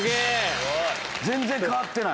全然変わってない。